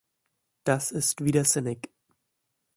Das ist widersinnig.